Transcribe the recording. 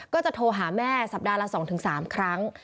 ก็จะโทรหาแม่สัปดาห์ละ๒๓ครั้ง